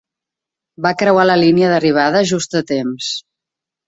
Va creuar la línia d'arribada just a temps.